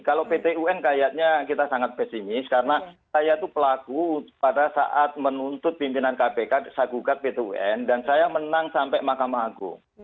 kalau pt un kayaknya kita sangat pesimis karena saya itu pelaku pada saat menuntut pimpinan kpk saya gugat pt un dan saya menang sampai mahkamah agung